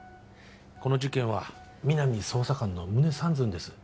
この事件は皆実捜査官の胸三寸です